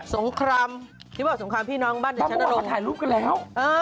ที่พี่บอกสงครามพี่น้องบ้านแต่ฉะนั้นลงมาต้องกินภาพมาถ่ายรูปกันแล้ว